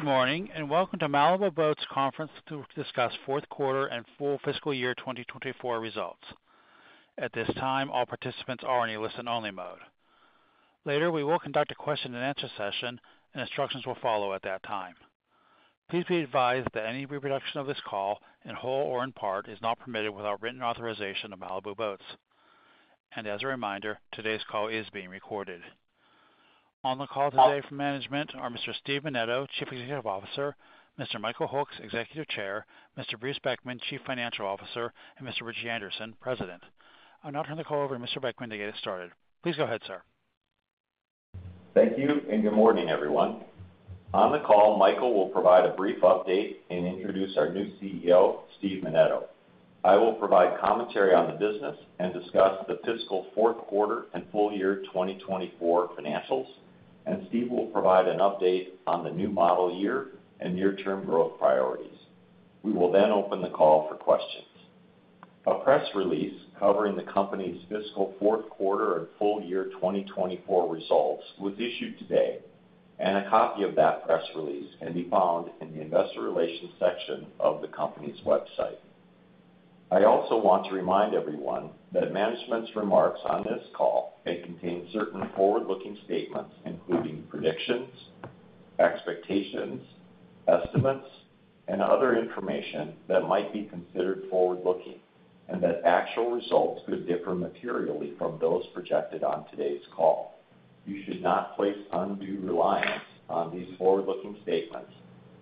Good morning, and welcome to Malibu Boats Conference to discuss fourth quarter and full fiscal year 2024 results. At this time, all participants are in a listen-only mode. Later, we will conduct a question-and-answer session, and instructions will follow at that time. Please be advised that any reproduction of this call, in whole or in part, is not permitted without written authorization of Malibu Boats. As a reminder, today's call is being recorded. On the call today from management are Mr. Steve Menneto, Chief Executive Officer, Mr. Michael Hooks, Executive Chair, Mr. Bruce Beckman, Chief Financial Officer, and Mr. Ritchie Anderson, President. I'll now turn the call over to Mr. Beckman to get us started. Please go ahead, sir. Thank you, and good morning, everyone. On the call, Michael will provide a brief update and introduce our new CEO, Steve Menneto. I will provide commentary on the business and discuss the fiscal fourth quarter and full year 2024 financials, and Steve will provide an update on the new model year and near-term growth priorities. We will then open the call for questions. A press release covering the company's fiscal fourth quarter and full year 2024 results was issued today, and a copy of that press release can be found in the Investor Relations section of the company's website. I also want to remind everyone that management's remarks on this call may contain certain forward-looking statements, including predictions, expectations, estimates, and other information that might be considered forward-looking, and that actual results could differ materially from those projected on today's call. You should not place undue reliance on these forward-looking statements,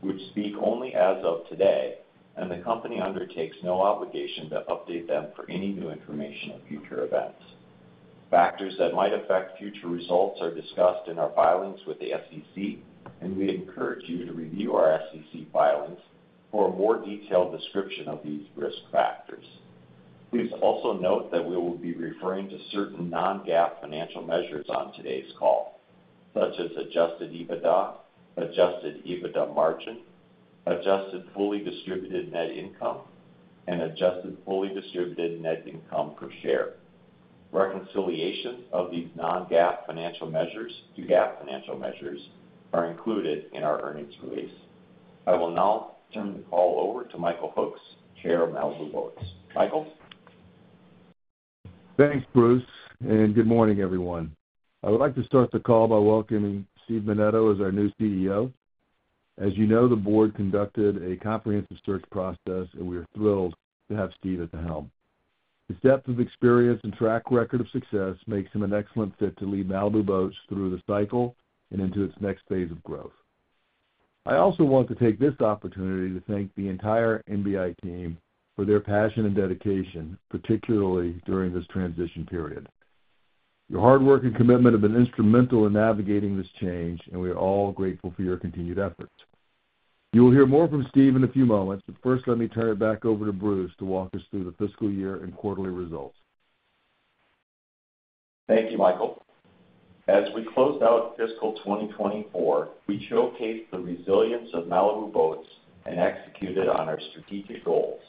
which speak only as of today, and the company undertakes no obligation to update them for any new information or future events. Factors that might affect future results are discussed in our filings with the SEC, and we encourage you to review our SEC filings for a more detailed description of these risk factors. Please also note that we will be referring to certain non-GAAP financial measures on today's call, such as Adjusted EBITDA, Adjusted EBITDA Margin, Adjusted Fully Distributed Net Income, and Adjusted Fully Distributed Net Income per Share. Reconciliation of these non-GAAP financial measures to GAAP financial measures are included in our earnings release. I will now turn the call over to Michael Hooks, Chair of Malibu Boats. Michael? Thanks, Bruce, and good morning, everyone. I would like to start the call by welcoming Steve Menneto as our new CEO. As you know, the board conducted a comprehensive search process, and we are thrilled to have Steve at the helm. His depth of experience and track record of success makes him an excellent fit to lead Malibu Boats through the cycle and into its next phase of growth. I also want to take this opportunity to thank the entire MBI team for their passion and dedication, particularly during this transition period. Your hard work and commitment have been instrumental in navigating this change, and we are all grateful for your continued efforts. You will hear more from Steve in a few moments, but first, let me turn it back over to Bruce to walk us through the fiscal year and quarterly results. Thank you, Michael. As we closed out fiscal 2024, we showcased the resilience of Malibu Boats and executed on our strategic goals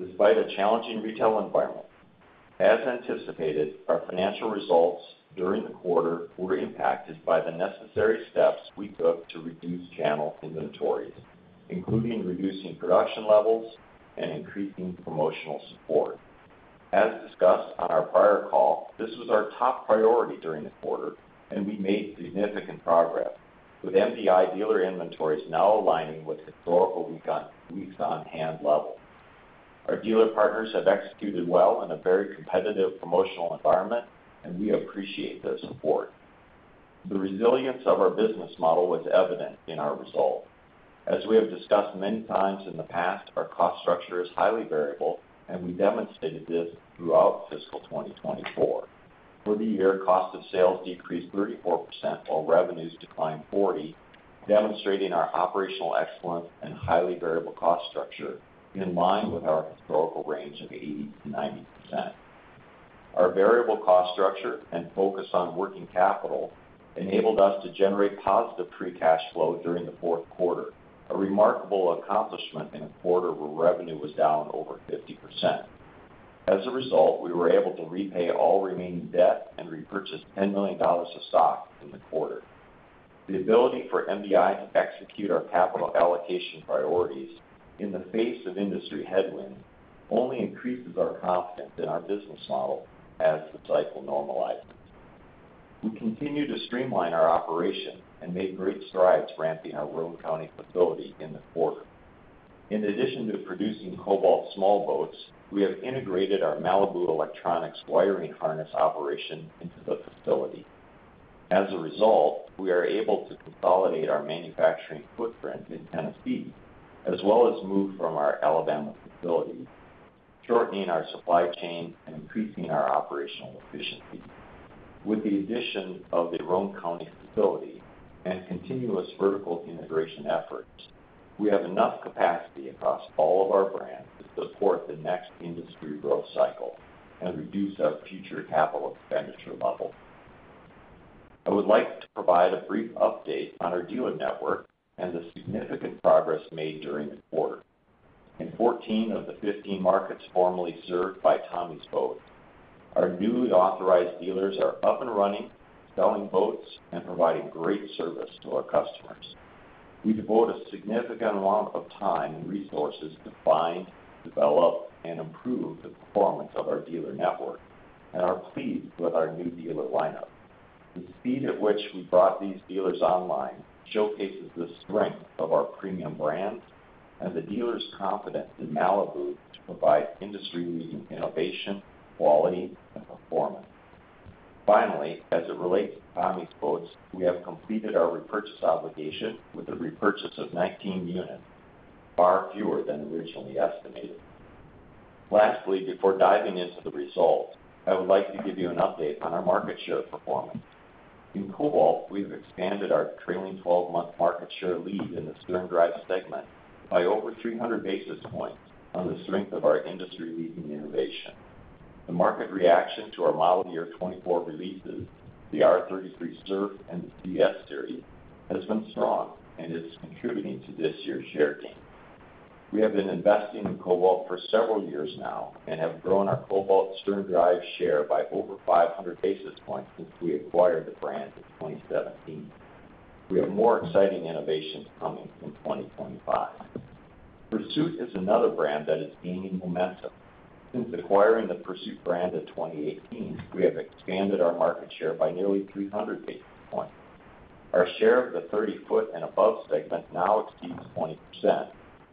despite a challenging retail environment. As anticipated, our financial results during the quarter were impacted by the necessary steps we took to reduce channel inventories, including reducing production levels and increasing promotional support. As discussed on our prior call, this was our top priority during the quarter, and we made significant progress, with MBI dealer inventories now aligning with historical weeks on hand level. Our dealer partners have executed well in a very competitive promotional environment, and we appreciate their support. The resilience of our business model was evident in our results. As we have discussed many times in the past, our cost structure is highly variable, and we demonstrated this throughout fiscal 2024. For the year, cost of sales decreased 34%, while revenues declined 40%, demonstrating our operational excellence and highly variable cost structure in line with our historical range of 80%-90%. Our variable cost structure and focus on working capital enabled us to generate positive free cash flow during the fourth quarter, a remarkable accomplishment in a quarter where revenue was down over 50%. As a result, we were able to repay all remaining debt and repurchase $10 million of stock in the quarter. The ability for MBI to execute our capital allocation priorities in the face of industry headwind only increases our confidence in our business model as the cycle normalizes. We continue to streamline our operation and made great strides ramping our Roane County facility in the quarter. In addition to producing Cobalt small boats, we have integrated our Malibu Electronics wiring harness operation into the facility. As a result, we are able to consolidate our manufacturing footprint in Tennessee, as well as move from our Alabama facility, shortening our supply chain and increasing our operational efficiency. With the addition of the Roane County facility and continuous vertical integration efforts, we have enough capacity across all of our brands to support the next industry growth cycle and reduce our future capital expenditure level. I would like to provide a brief update on our dealer network and the significant progress made during the quarter. In 14 of the 15 markets formerly served by Tommy's Boats, our newly authorized dealers are up and running, selling boats, and providing great service to our customers. We devote a significant amount of time and resources to find, develop, and improve the performance of our dealer network, and are pleased with our new dealer lineup. The speed at which we brought these dealers online showcases the strength of our premium brands and the dealers' confidence in Malibu to provide industry-leading innovation, quality, and performance. Finally, as it relates to Tommy's Boats, we have completed our repurchase obligation with the repurchase of nineteen units, far fewer than originally estimated. Lastly, before diving into the results, I would like to give you an update on our market share performance. In Cobalt, we've expanded our trailing 12-month market share lead in the sterndrive segment by over three hundred basis points on the strength of our industry-leading innovation. The market reaction to our model year 2024 releases, the R33 Surf and the CS Series, has been strong and is contributing to this year's share gain. We have been investing in Cobalt for several years now and have grown our Cobalt sterndrive share by over 500 basis points since we acquired the brand in 2017. We have more exciting innovations coming in 2025. Pursuit is another brand that is gaining momentum. Since acquiring the Pursuit brand in 2018, we have expanded our market share by nearly 300 basis points. Our share of the 30-foot and above segment now exceeds 20%.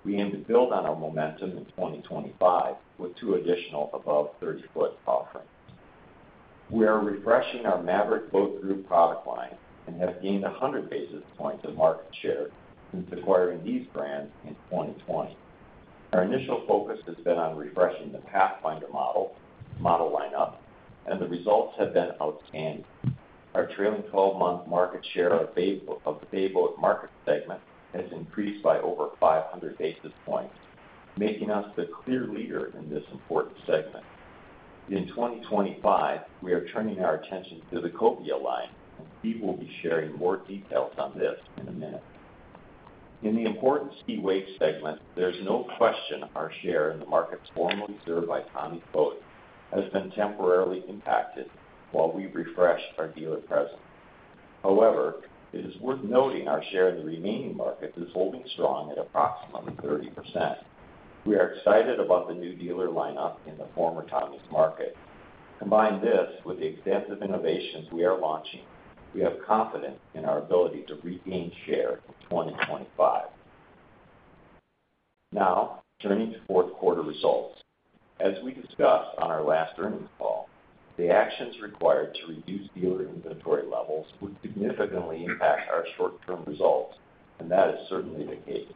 We aim to build on our momentum in 2025 with two additional above 30-foot offerings. We are refreshing our Maverick Boat Group product line and have gained 100 basis points of market share since acquiring these brands in 2020. Our initial focus has been on refreshing the Pathfinder model lineup, and the results have been outstanding. Our trailing 12-month market share of the bay boat market segment has increased by over 500 basis points, making us the clear leader in this important segment. In 2025, we are turning our attention to the Cobia line, and Steve will be sharing more details on this in a minute. In the important ski wake segment, there's no question our share in the markets formerly served by Tommy's Boats has been temporarily impacted while we refresh our dealer presence. However, it is worth noting our share in the remaining market is holding strong at approximately 30%. We are excited about the new dealer lineup in the former Tommy's market. Combine this with the extensive innovations we are launching, we have confidence in our ability to regain share in 2025. Now, turning to fourth quarter results. As we discussed on our last earnings call, the actions required to reduce dealer inventory levels would significantly impact our short-term results, and that is certainly the case.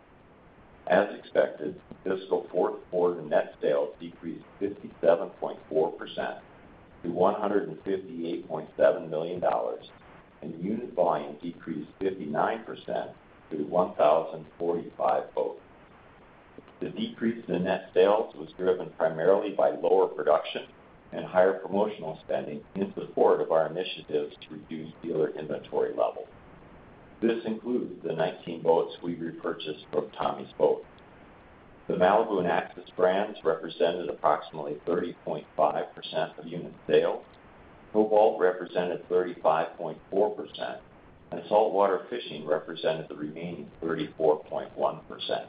As expected, fiscal fourth quarter net sales decreased 57.4% to $158.7 million, and unit volume decreased 59% to 1,045 boats. The decrease in net sales was driven primarily by lower production and higher promotional spending in support of our initiatives to reduce dealer inventory levels. This includes the 19 boats we repurchased from Tommy's Boats. The Malibu and Axis brands represented approximately 30.5% of unit sales, Cobalt represented 35.4%, and saltwater fishing represented the remaining 34.1%.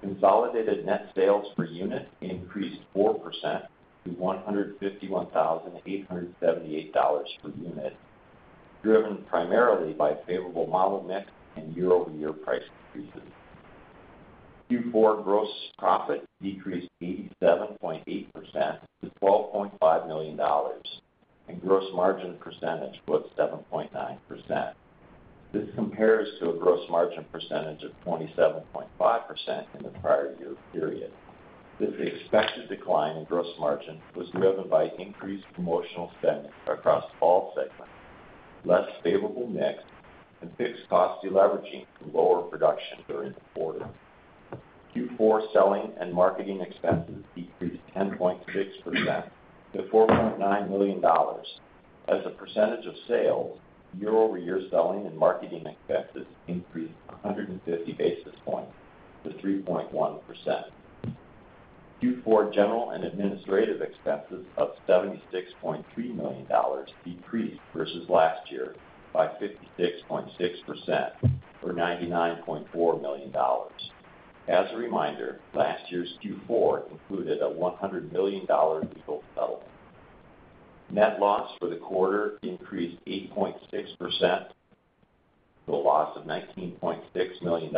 Consolidated net sales per unit increased 4% to $151,878 per unit, driven primarily by favorable model mix and year-over-year price increases. Q4 gross profit decreased 87.8% to $12.5 million, and gross margin percentage was 7.9%. This compares to a gross margin percentage of 27.5% in the prior year period. This expected decline in gross margin was driven by increased promotional spending across all segments, less favorable mix, and fixed cost deleveraging from lower production during the quarter. Q4 selling and marketing expenses decreased 10.6% to $4.9 million. As a percentage of sales, year-over-year selling and marketing expenses increased 150 basis points to 3.1%. Q4 general and administrative expenses of $76.3 million decreased versus last year by 56.6% or $99.4 million. As a reminder, last year's Q4 included a $100 million legal settlement. Net loss for the quarter increased 8.6% to a loss of $19.6 million.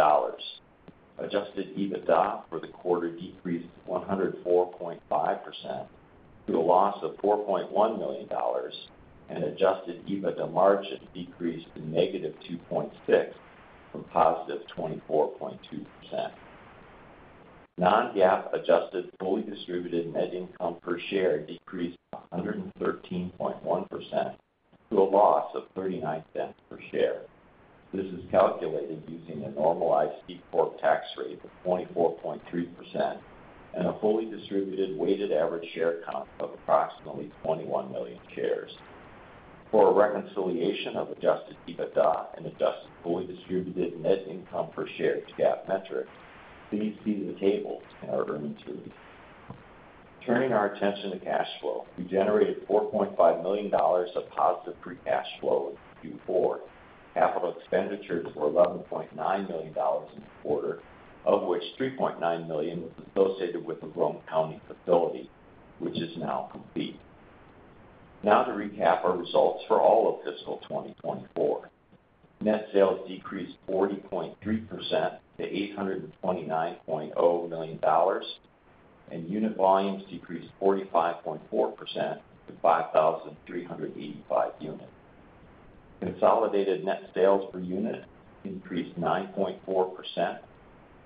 adjusted EBITDA for the quarter decreased 104.5% to a loss of $4.1 million, and adjusted EBITDA margin decreased to -2.6% from +24.2%. Non-GAAP adjusted fully distributed net income per share decreased 113.1% to a loss of $0.39 per share. This is calculated using a normalized C Corp tax rate of 24.3% and a fully distributed weighted average share count of approximately 21 million shares. For a reconciliation of adjusted EBITDA and adjusted fully distributed net income per share to GAAP metrics, please see the table in our earnings release. Turning our attention to cash flow, we generated $4.5 million of positive free cash flow in Q4. Capital expenditures were $11.9 million in the quarter, of which $3.9 million was associated with the Roane County facility, which is now complete. Now to recap our results for all of fiscal 2024. Net sales decreased 40.3% to $829.0 million, and unit volumes decreased 45.4% to 5,385 units. Consolidated net sales per unit increased 9.4%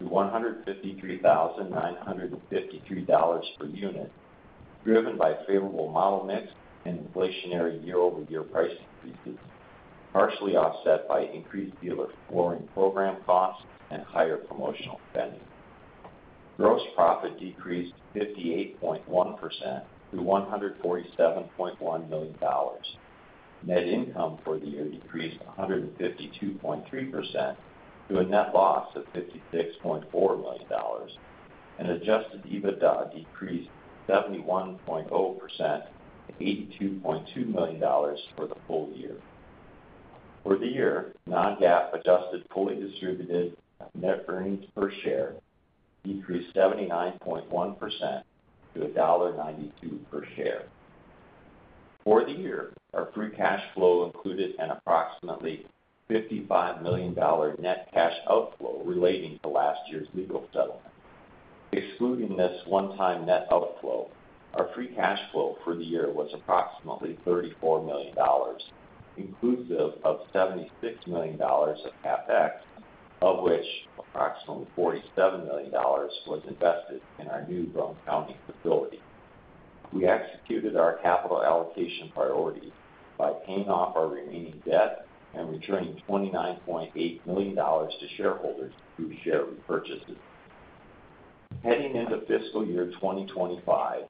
to $153,953 per unit, driven by favorable model mix and inflationary year-over-year price increases, partially offset by increased dealer flooring program costs and higher promotional spending. Gross profit decreased 58.1% to $147.1 million. Net income for the year decreased 152.3% to a net loss of $56.4 million, and adjusted EBITDA decreased 71.0% to $82.2 million for the full year. For the year, non-GAAP adjusted fully distributed net earnings per share decreased 79.1% to $1.92 per share. For the year, our free cash flow included an approximately $55 million net cash outflow relating to last year's legal settlement. Excluding this one-time net outflow, our free cash flow for the year was approximately $34 million, inclusive of $76 million of CapEx, of which approximately $47 million was invested in our new Roane County facility. We executed our capital allocation priorities by paying off our remaining debt and returning $29.8 million to shareholders through share repurchases. Heading into fiscal year 2025,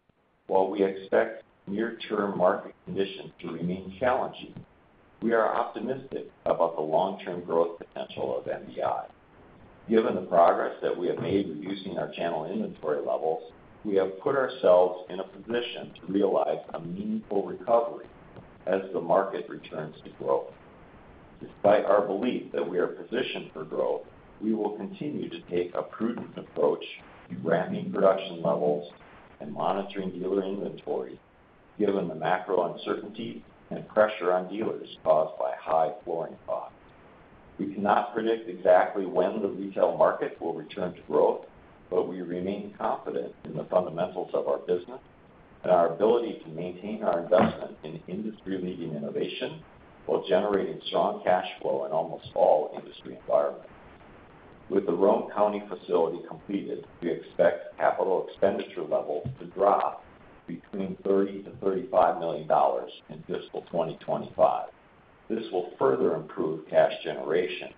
while we expect near-term market conditions to remain challenging, we are optimistic about the long-term growth potential of MBI. Given the progress that we have made in reducing our channel inventory levels, we have put ourselves in a position to realize a meaningful recovery as the market returns to growth. Despite our belief that we are positioned for growth, we will continue to take a prudent approach to ramping production levels and monitoring dealer inventory, given the macro uncertainty and pressure on dealers caused by high flooring costs. We cannot predict exactly when the retail market will return to growth, but we remain confident in the fundamentals of our business and our ability to maintain our investment in industry-leading innovation, while generating strong cash flow in almost all industry environments. With the Roane County facility completed, we expect capital expenditure levels to drop between $30 million-$35 million in fiscal 2025. This will further improve cash generation,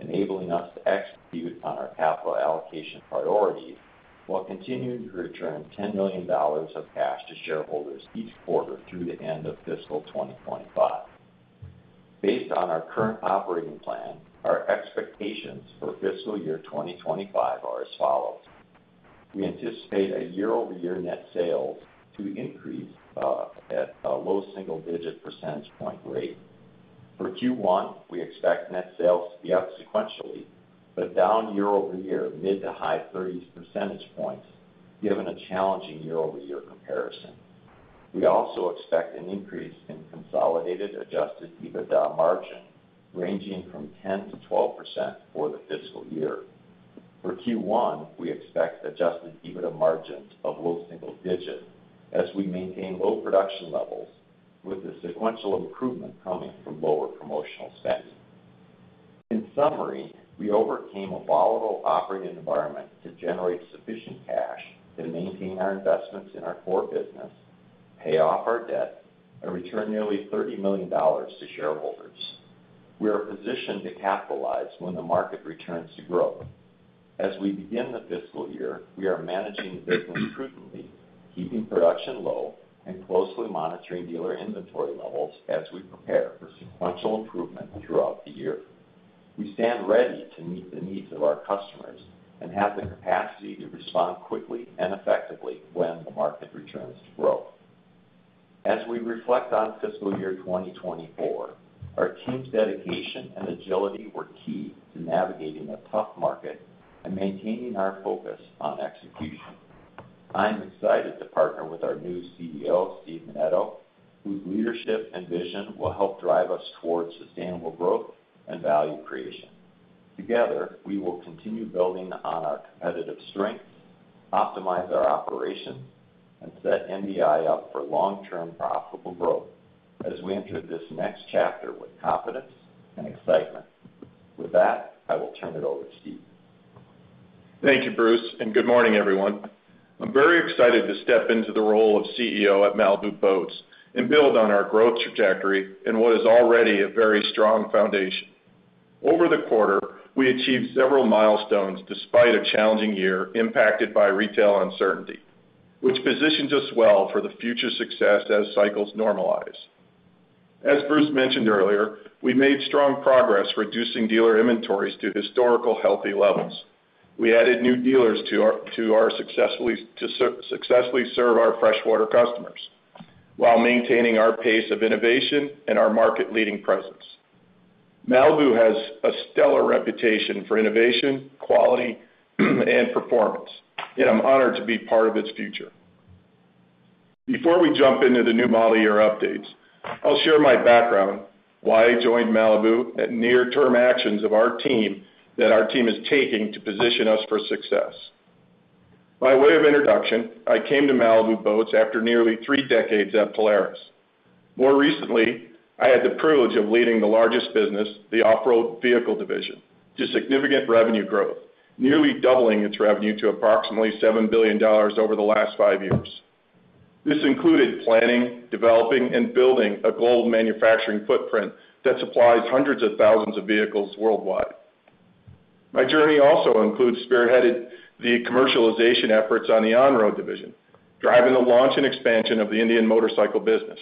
enabling us to execute on our capital allocation priorities, while continuing to return $10 million of cash to shareholders each quarter through the end of fiscal 2025. Based on our current operating plan, our expectations for fiscal year 2025 are as follows: We anticipate a year-over-year net sales to increase at a low single-digit percentage point rate. For Q1, we expect net sales to be up sequentially, but down year-over-year, mid- to high-thirties percentage points, given a challenging year-over-year comparison. We also expect an increase in consolidated adjusted EBITDA margin, ranging from 10%-12% for the fiscal year. For Q1, we expect adjusted EBITDA margins of low single-digit as we maintain low production levels, with the sequential improvement coming from lower promotional spending. In summary, we overcame a volatile operating environment to generate sufficient cash to maintain our investments in our core business, pay off our debt, and return nearly $30 million to shareholders. We are positioned to capitalize when the market returns to growth. As we begin the fiscal year, we are managing the business prudently, keeping production low and closely monitoring dealer inventory levels as we prepare for sequential improvement throughout the year. We stand ready to meet the needs of our customers and have the capacity to respond quickly and effectively when the market returns to growth. As we reflect on fiscal year 2024, our team's dedication and agility were key to navigating a tough market and maintaining our focus on execution. I'm excited to partner with our new CEO, Steve Menneto, whose leadership and vision will help drive us towards sustainable growth and value creation. Together, we will continue building on our competitive strengths, optimize our operations, and set MBI up for long-term profitable growth as we enter this next chapter with confidence and excitement. With that, I will turn it over to Steve. Thank you, Bruce, and good morning, everyone. I'm very excited to step into the role of CEO at Malibu Boats and build on our growth trajectory in what is already a very strong foundation. Over the quarter, we achieved several milestones despite a challenging year impacted by retail uncertainty, which positions us well for the future success as cycles normalize. As Bruce mentioned earlier, we made strong progress reducing dealer inventories to historical healthy levels. We added new dealers to our successfully serve our freshwater customers, while maintaining our pace of innovation and our market-leading presence. Malibu has a stellar reputation for innovation, quality, and performance, and I'm honored to be part of its future. Before we jump into the new model year updates, I'll share my background, why I joined Malibu, and near-term actions of our team, that our team is taking to position us for success. By way of introduction, I came to Malibu Boats after nearly three decades at Polaris. More recently, I had the privilege of leading the largest business, the Off-Road Vehicle division, to significant revenue growth, nearly doubling its revenue to approximately $7 billion over the last five years. This included planning, developing, and building a global manufacturing footprint that supplies hundreds of thousands of vehicles worldwide. My journey also includes spearheading the commercialization efforts on the On-Road division, driving the launch and expansion of the Indian Motorcycle business.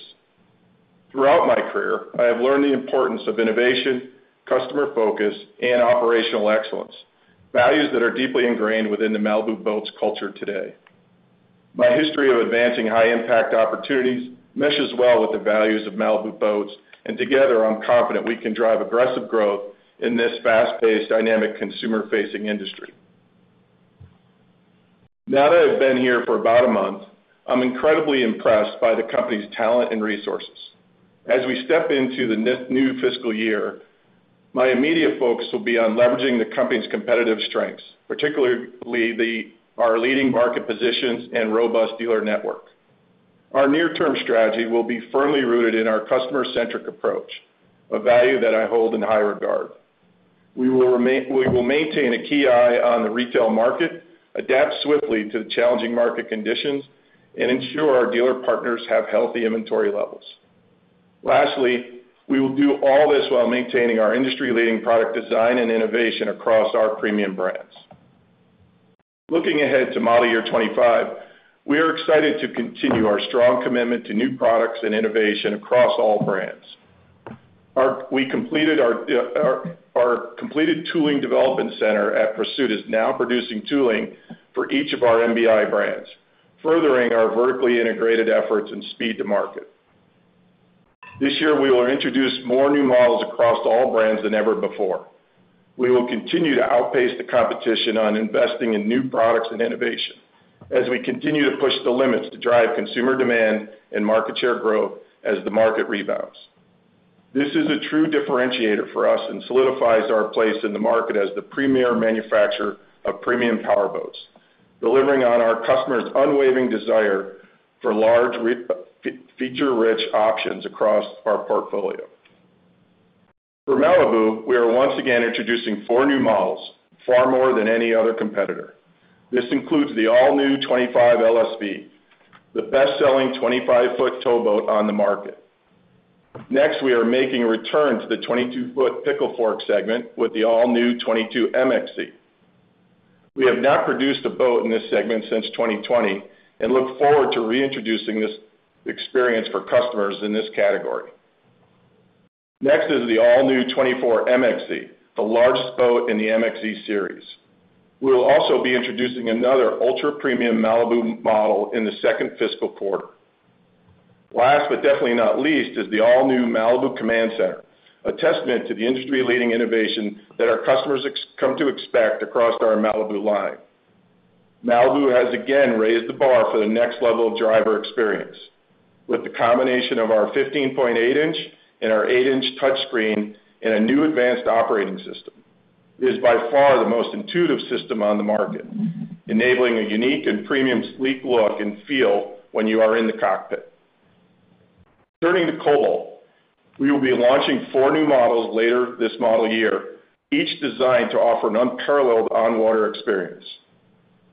Throughout my career, I have learned the importance of innovation, customer focus, and operational excellence, values that are deeply ingrained within the Malibu Boats culture today. My history of advancing high-impact opportunities meshes well with the values of Malibu Boats, and together, I'm confident we can drive aggressive growth in this fast-paced, dynamic, consumer-facing industry. Now that I've been here for about a month, I'm incredibly impressed by the company's talent and resources. As we step into the new fiscal year, my immediate focus will be on leveraging the company's competitive strengths, particularly our leading market positions and robust dealer network. Our near-term strategy will be firmly rooted in our customer-centric approach, a value that I hold in high regard. We will maintain a keen eye on the retail market, adapt swiftly to the challenging market conditions, and ensure our dealer partners have healthy inventory levels. Lastly, we will do all this while maintaining our industry-leading product design and innovation across our premium brands. Looking ahead to model year 2025, we are excited to continue our strong commitment to new products and innovation across all brands. Our completed tooling development center at Pursuit is now producing tooling for each of our MBI brands, furthering our vertically integrated efforts and speed to market. This year, we will introduce more new models across all brands than ever before. We will continue to outpace the competition on investing in new products and innovation as we continue to push the limits to drive consumer demand and market share growth as the market rebounds. This is a true differentiator for us and solidifies our place in the market as the premier manufacturer of premium powerboats, delivering on our customers' unwavering desire for large feature-rich options across our portfolio. For Malibu, we are once again introducing four new models, far more than any other competitor. This includes the all-new 25 LSV, the best-selling 25-foot towboat on the market. Next, we are making a return to the 22-foot pickle fork segment with the all-new 22 MXZ. We have not produced a boat in this segment since 2020 and look forward to reintroducing this experience for customers in this category. Next is the all-new 24 MXZ, the largest boat in the MXZ series. We will also be introducing another ultra-premium Malibu model in the second fiscal quarter. Last, but definitely not least, is the all-new Malibu Command Center, a testament to the industry-leading innovation that our customers expect across our Malibu line. Malibu has again raised the bar for the next level of driver experience with the combination of our 15.8-inch and our 8-inch touchscreen and a new advanced operating system. It is by far the most intuitive system on the market, enabling a unique and premium sleek look and feel when you are in the cockpit. Turning to Cobalt, we will be launching four new models later this model year, each designed to offer an unparalleled on-water experience.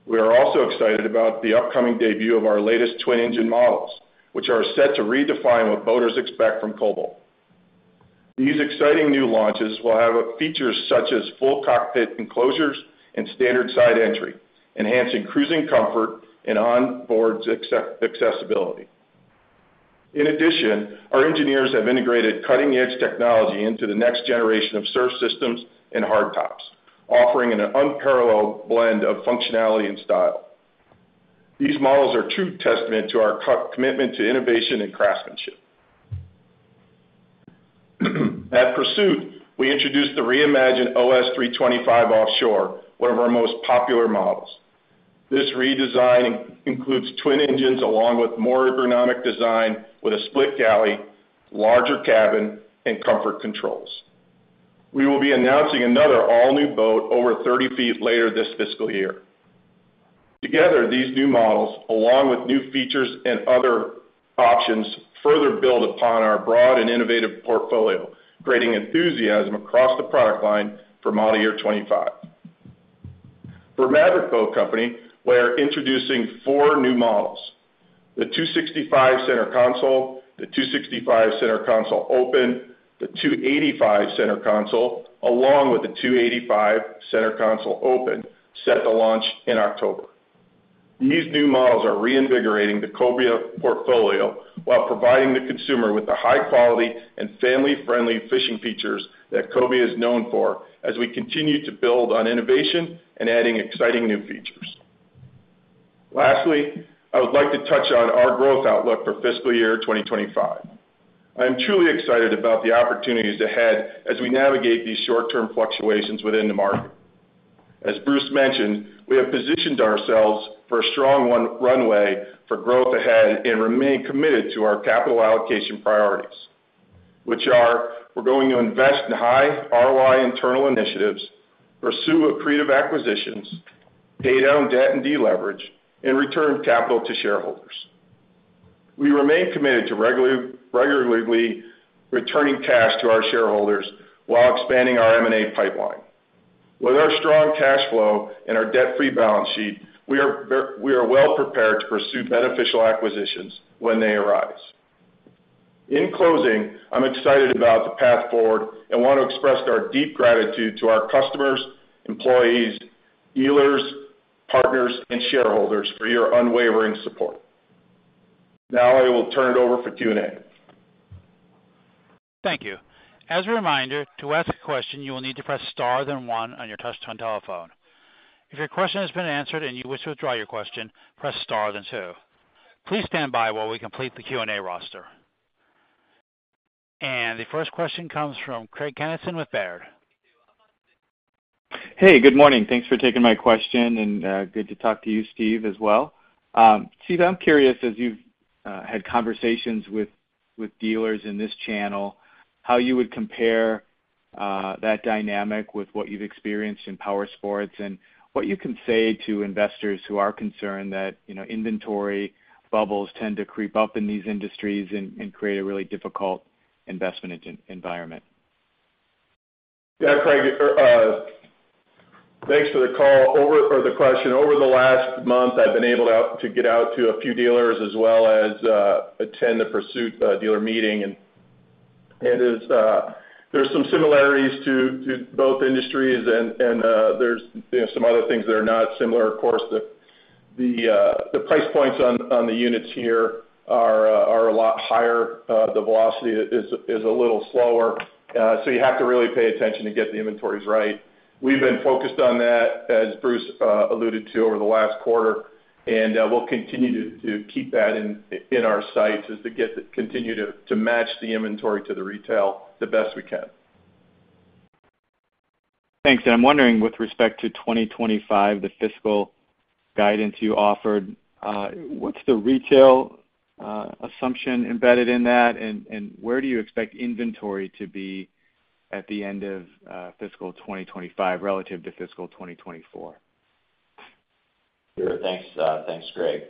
We are also excited about the upcoming debut of our latest twin-engine models, which are set to redefine what boaters expect from Cobalt. These exciting new launches will have features such as full cockpit enclosures and standard side entry, enhancing cruising comfort and onboard accessibility. In addition, our engineers have integrated cutting-edge technology into the next generation of surf systems and hard tops, offering an unparalleled blend of functionality and style. These models are true testament to our commitment to innovation and craftsmanship. At Pursuit, we introduced the reimagined OS 325 Offshore, one of our most popular models. This redesign includes twin engines along with more ergonomic design, with a split galley, larger cabin, and comfort controls. We will be announcing another all-new boat over 30 feet later this fiscal year. Together, these new models, along with new features and other options, further build upon our broad and innovative portfolio, creating enthusiasm across the product line for model year 2025. For Maverick Boat Group, we are introducing four new models: the 265 Center Console, the 265 Center Console Open, the 285 Center Console, along with the 285 Center Console Open, set to launch in October. These new models are reinvigorating the Cobia portfolio while providing the consumer with the high quality and family-friendly fishing features that Cobia is known for, as we continue to build on innovation and adding exciting new features. Lastly, I would like to touch on our growth outlook for fiscal year 2025. I am truly excited about the opportunities ahead as we navigate these short-term fluctuations within the market. As Bruce mentioned, we have positioned ourselves for a strong runway for growth ahead and remain committed to our capital allocation priorities, which are: we're going to invest in high ROI internal initiatives, pursue accretive acquisitions, pay down debt and deleverage, and return capital to shareholders. We remain committed to regularly returning cash to our shareholders while expanding our M&A pipeline. With our strong cash flow and our debt-free balance sheet, we are well prepared to pursue beneficial acquisitions when they arise. In closing, I'm excited about the path forward and want to express our deep gratitude to our customers, employees, dealers, partners, and shareholders for your unwavering support. Now, I will turn it over for Q&A. Thank you. As a reminder, to ask a question, you will need to press star, then one on your touchtone telephone. If your question has been answered and you wish to withdraw your question, press star then two. Please stand by while we complete the Q&A roster, and the first question comes from Craig Kennison with Baird. Hey, good morning. Thanks for taking my question, and good to talk to you, Steve, as well. Steve, I'm curious, as you've had conversations with dealers in this channel, how you would compare that dynamic with what you've experienced in powersports, and what you can say to investors who are concerned that, you know, inventory bubbles tend to creep up in these industries and create a really difficult investment environment? Yeah, Craig, thanks for the call or the question. Over the last month, I've been able to get out to a few dealers as well as attend the Pursuit dealer meeting. And it's, there's some similarities to both industries and there's, you know, some other things that are not similar. Of course, the price points on the units here are a lot higher. The velocity is a little slower, so you have to really pay attention to get the inventories right. We've been focused on that, as Bruce alluded to over the last quarter, and we'll continue to keep that in our sights as we get to continue to match the inventory to the retail the best we can. Thanks. And I'm wondering, with respect to 2025, the fiscal guidance you offered, what's the retail assumption embedded in that? And where do you expect inventory to be at the end of fiscal 2025 relative to fiscal 2024? Sure. Thanks, thanks, Craig.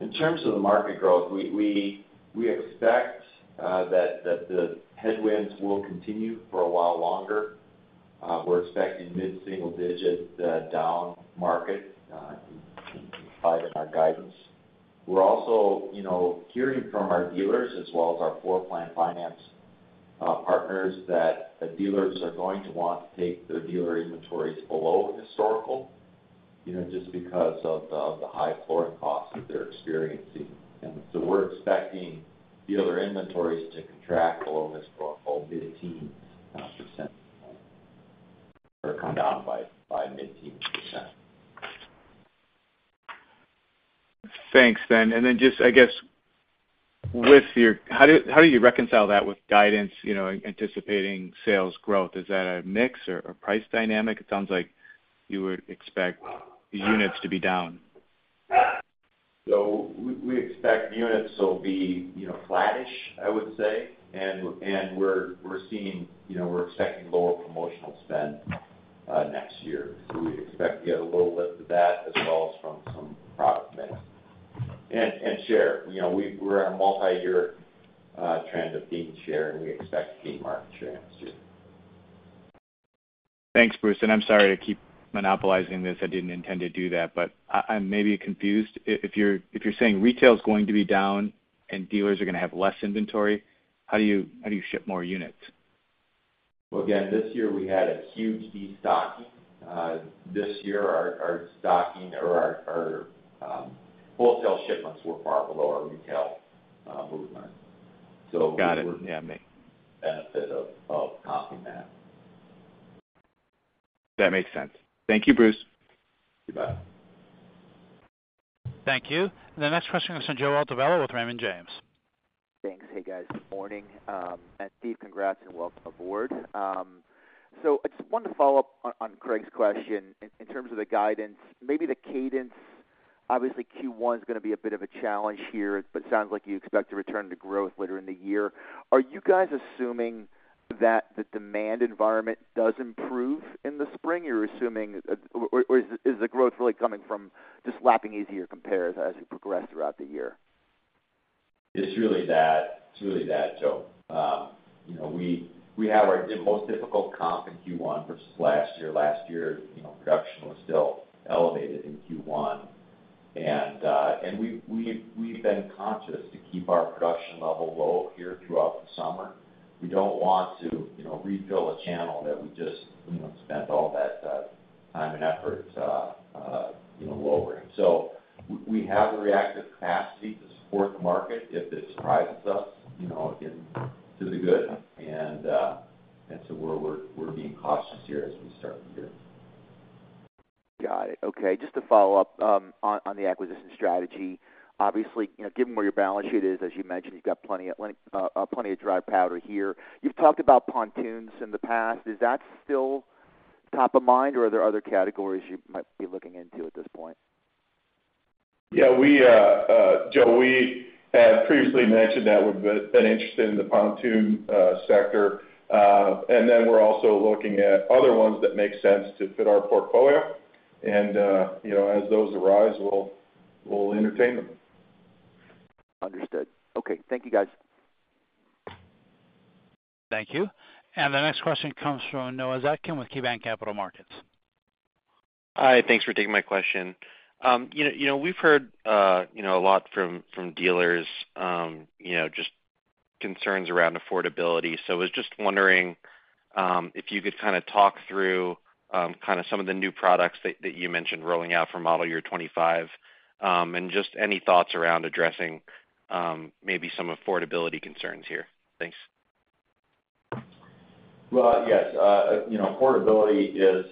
In terms of the market growth, we expect that the headwinds will continue for a while longer. We're expecting mid-single digit down market in spite of our guidance. We're also, you know, hearing from our dealers as well as our floor plan financing partners that the dealers are going to want to take their dealer inventories below historical, you know, just because of the high flooring costs that they're experiencing. And so we're expecting dealer inventories to contract below historical mid-teens percent, or come down by mid-teens percent. Thanks then. And then just, I guess, with your, how do you reconcile that with guidance, you know, anticipating sales growth? Is that a mix or a price dynamic? It sounds like you would expect the units to be down. So we expect units will be, you know, flattish, I would say. And we're seeing you know, we're expecting lower promotional spend next year. So we expect to get a little lift of that, as well as from some product mix. And share. You know, we're on a multiyear trend of gaining share, and we expect to gain market share next year. Thanks, Bruce, and I'm sorry to keep monopolizing this. I didn't intend to do that, but I may be confused. If you're saying retail is going to be down and dealers are gonna have less inventory, how do you ship more units? Again, this year we had a huge destocking. This year, our stocking or our wholesale shipments were far below our retail movement. So- Got it. Yeah. Benefit of comping that. That makes sense. Thank you, Bruce. You bet. Thank you. The next question comes from Joe Altobello with Raymond James. Thanks. Hey, guys, good morning, and Steve, congrats and welcome aboard. So I just wanted to follow up on Craig's question in terms of the guidance, maybe the cadence. Obviously, Q1 is gonna be a bit of a challenge here, but it sounds like you expect to return to growth later in the year. Are you guys assuming that the demand environment does improve in the spring, or you're assuming or is the growth really coming from just lapping easier compares as you progress throughout the year? It's really that, it's really that, Joe. You know, we have our, the most difficult comp in Q1 versus last year. Last year, you know, production was still elevated in Q1. And we've been conscious to keep our production level low here throughout the summer. We don't want to, you know, refill a channel that we just, you know, spent all that time and effort, you know, lowering. So we have the reactive capacity to support the market if it surprises us, you know, in to the good. And so we're being cautious here as we start the year. Got it. Okay, just to follow up on the acquisition strategy. Obviously, you know, given where your balance sheet is, as you mentioned, you've got plenty of dry powder here. You've talked about pontoons in the past. Is that still top of mind, or are there other categories you might be looking into at this point? Yeah, we, Joe, we had previously mentioned that we've been interested in the pontoon sector. And then we're also looking at other ones that make sense to fit our portfolio. And, you know, as those arise, we'll entertain them. Understood. Okay. Thank you, guys. Thank you, and the next question comes from Noah Zatzkin with KeyBanc Capital Markets. Hi, thanks for taking my question. You know, you know, we've heard you know a lot from dealers you know just concerns around affordability. So I was just wondering if you could kind of talk through kind of some of the new products that you mentioned rolling out for model year 2025. And just any thoughts around addressing maybe some affordability concerns here? Thanks. Yes. You know, affordability is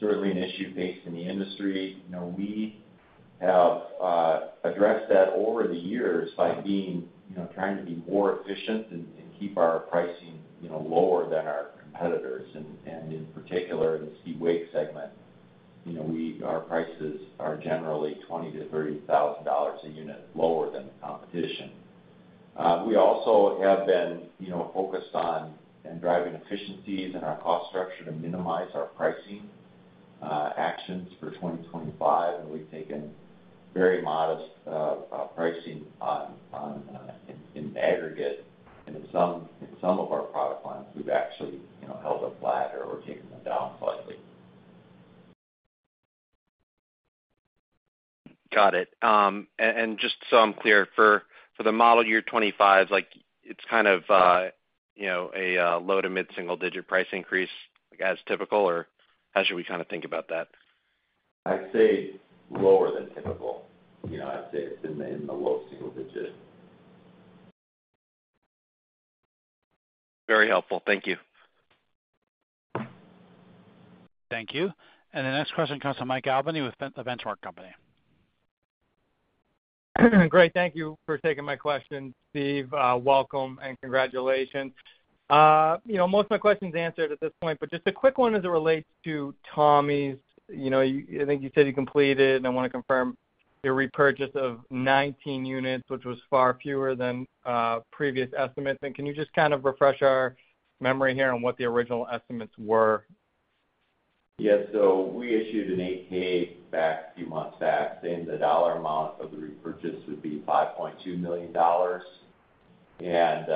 certainly an issue facing the industry. You know, we have addressed that over the years by being, you know, trying to be more efficient and keep our pricing, you know, lower than our competitors. And in particular, in the ski wake segment, you know, we - our prices are generally $20,000-$30,000 a unit lower than the competition. We also have been, you know, focused on and driving efficiencies in our cost structure to minimize our pricing actions for 2025. And we've taken very modest pricing in aggregate. And in some of our product lines, we've actually, you know, held them flat or we're taking them down slightly. Got it. And just so I'm clear, for the model year 2025, like, it's kind of, you know, a low to mid-single digit price increase as typical, or how should we kind of think about that? I'd say lower than typical. You know, I'd say it's in the low single digits. Very helpful. Thank you. Thank you. And the next question comes from Mike Albanese with The Benchmark Company. Great. Thank you for taking my question, Steve. Welcome and congratulations. You know, most of my questions are answered at this point, but just a quick one as it relates to Tommy's. You know, I think you said you completed, and I want to confirm, your repurchase of nineteen units, which was far fewer than previous estimates. And can you just kind of refresh our memory here on what the original estimates were? Yes. So we issued an 8-K back a few months back, saying the dollar amount of the repurchase would be $5.2 million. And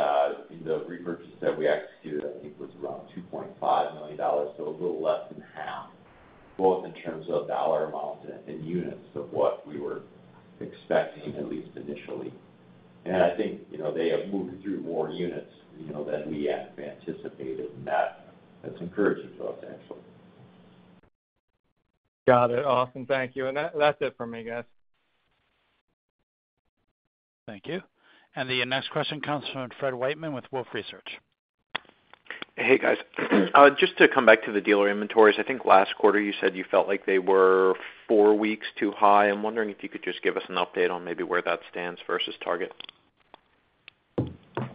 the repurchase that we executed, I think, was around $2.5 million, so a little less than half, both in terms of dollar amount and units of what we were expecting, at least initially. And I think, you know, they have moved through more units, you know, than we had anticipated, and that that's encouraging, so actually. Got it. Awesome. Thank you. And that, that's it for me, guys. Thank you. And the next question comes from Fred Wightman with Wolfe Research. Hey, guys. Just to come back to the dealer inventories, I think last quarter you said you felt like they were four weeks too high. I'm wondering if you could just give us an update on maybe where that stands versus target?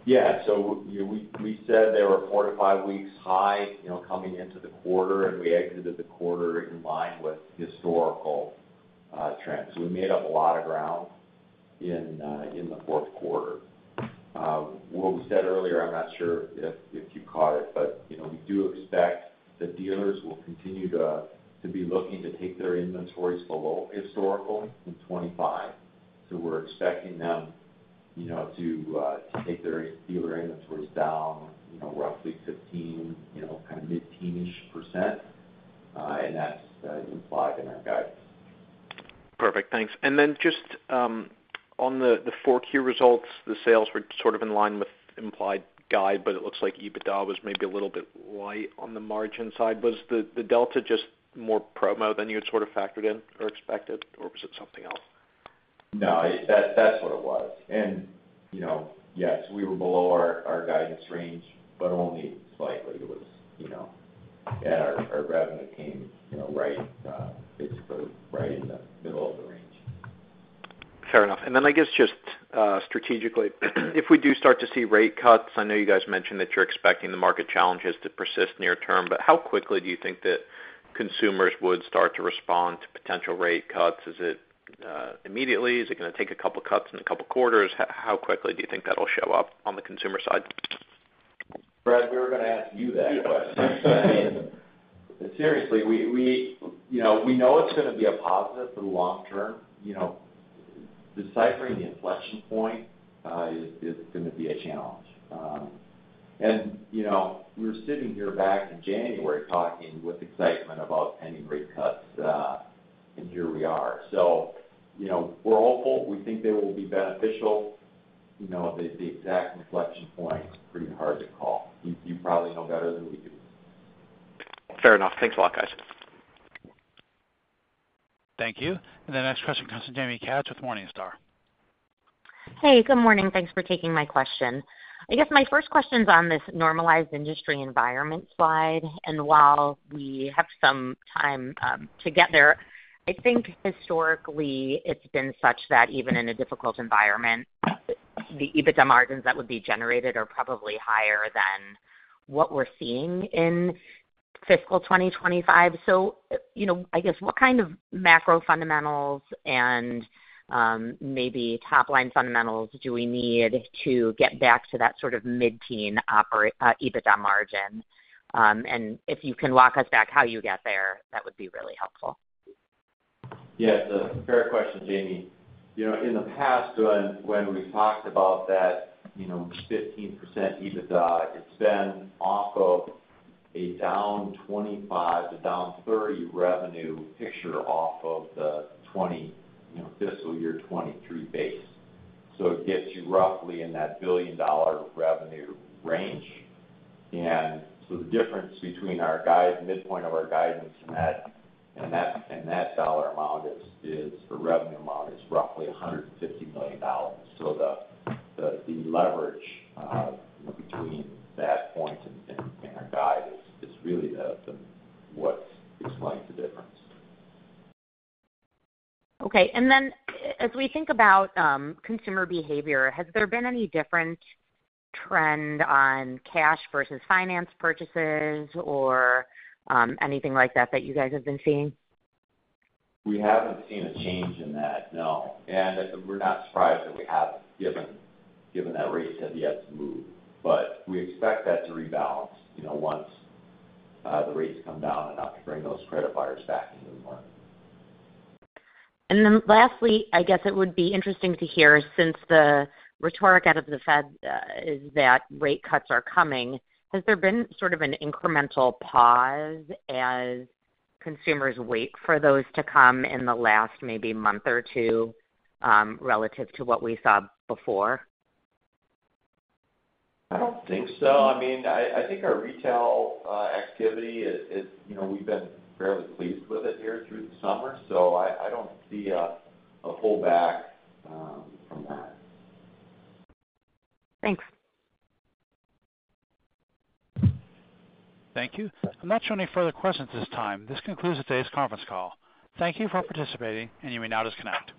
Yeah. So we said they were four to five weeks high, you know, coming into the quarter, and we exited the quarter in line with historical trends. We made up a lot of ground in the fourth quarter. What we said earlier, I'm not sure if you caught it, but, you know, we do expect the dealers will continue to be looking to take their inventories below historical in 2025. So we're expecting them, you know, to take their dealer inventories down, you know, roughly 15%, you know, kind of mid-teenish percent, and that's implied in our guidance. Perfect. Thanks. And then just on the 4Q results, the sales were sort of in line with implied guide, but it looks like EBITDA was maybe a little bit light on the margin side. Was the delta just more promo than you had sort of factored in or expected, or was it something else? No, that, that's what it was, and you know, yes, we were below our guidance range, but only slightly. It was, you know, and our revenue came, you know, right, basically right in the middle of the range. Fair enough. And then I guess just strategically, if we do start to see rate cuts, I know you guys mentioned that you're expecting the market challenges to persist near term, but how quickly do you think that consumers would start to respond to potential rate cuts? Is it immediately? Is it gonna take a couple cuts in a couple quarters? How quickly do you think that'll show up on the consumer side? Fred, we were going to ask you that question. I mean, seriously, we know it's going to be a positive for the long term. You know, deciphering the inflection point is going to be a challenge. And, you know, we were sitting here back in January talking with excitement about pending rate cuts, and here we are. So, you know, we're hopeful. We think they will be beneficial. You know, the exact inflection point, pretty hard to call. You probably know better than we do. Fair enough. Thanks a lot, guys. Thank you. And the next question comes from Jaime Katz with Morningstar. Hey, good morning. Thanks for taking my question. I guess my first question's on this normalized industry environment slide, and while we have some time to get there, I think historically, it's been such that even in a difficult environment, the EBITDA margins that would be generated are probably higher than what we're seeing in fiscal 2025. So, you know, I guess what kind of macro fundamentals and maybe top-line fundamentals do we need to get back to that sort of mid-teen operating EBITDA margin? And if you can walk us back how you get there, that would be really helpful. Yeah, it's a fair question, Jaime. You know, in the past, when we talked about that, you know, 15% EBITDA, it's been off of a down 25-30 revenue picture off of the fiscal year 2023 base. So it gets you roughly in that $1 billion revenue range. And so the difference between our guide, midpoint of our guidance and that dollar amount is the revenue amount, is roughly $150 million. So the leverage between that point and our guide is really the what is likely the difference. Okay. And then as we think about consumer behavior, has there been any different trend on cash versus finance purchases or anything like that, that you guys have been seeing? We haven't seen a change in that, no. And we're not surprised that we haven't, given that rates have yet to move. But we expect that to rebalance, you know, once the rates come down enough to bring those credit buyers back into the market. And then lastly, I guess it would be interesting to hear, since the rhetoric out of the Fed is that rate cuts are coming, has there been sort of an incremental pause as consumers wait for those to come in the last maybe month or two, relative to what we saw before? I don't think so. I mean, I think our retail activity is, you know, we've been fairly pleased with it here through the summer, so I don't see a pullback from that. Thanks. Thank you. I'm not showing any further questions at this time. This concludes today's conference call. Thank you for participating, and you may now disconnect.